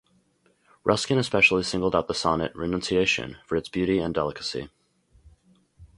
Ruskin especially singled out the sonnet "Renunciation" for its beauty and delicacy.